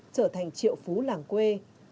trở thành triệu phú làng quê